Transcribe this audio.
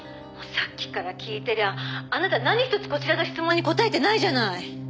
「さっきから聞いてりゃあなた何一つこちらの質問に答えてないじゃない！」